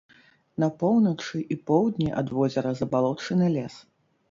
На поўначы і поўдні ад возера забалочаны лес.